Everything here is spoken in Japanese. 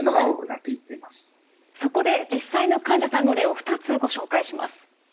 そこで実際の患者さんの例を２つご紹介します。